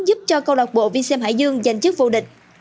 giúp cho câu lạc bộ vxm hải dương giành chức vô địch